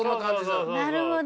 なるほど。